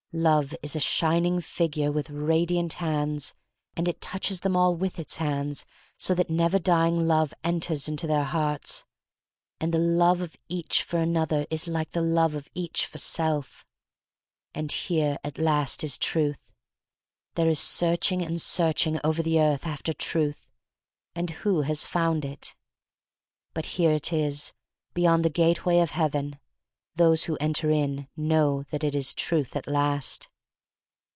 Love is a shining figure with radiant hands, and it touches them all with its hands so that never dying love enters into their hearts. And the love of each for another is like the love of each for self. And here at last is Truth. There is searching and searching over the earth after Truth — and who has found it? But here is it beyond the gateway of Heaven. Those who enter in know that it is Truth at last."